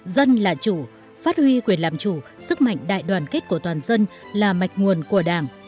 dân là chủ phát huy quyền làm chủ sức mạnh đại đoàn kết của toàn dân là mạch nguồn của đảng